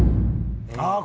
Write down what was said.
ああ